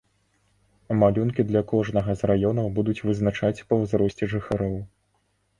Малюнкі для кожнага з раёнаў будуць вызначаць па ўзросце жыхароў.